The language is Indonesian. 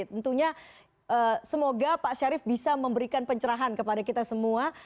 tentunya semoga pak syarif bisa memberikan pencerahan kepada kita semua